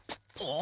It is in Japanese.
あ？